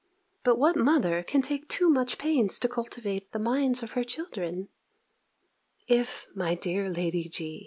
But what mother can take too much pains to cultivate the minds of her children? If, my dear Lady G.